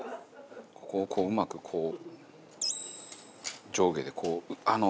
ここをうまくこう上下でこう。